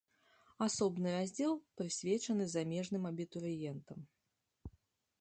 Асобны раздзел прысвечаны замежным абітурыентам.